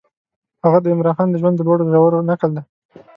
هغه د عمرا خان د ژوند د لوړو ژورو نکل دی.